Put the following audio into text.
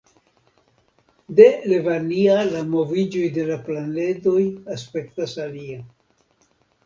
De Levania la moviĝoj de la planedoj aspektas alie.